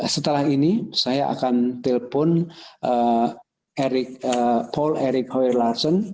setelah ini saya akan telepon paul eric hoyer larsen